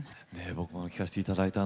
僕も聴かせていただきました。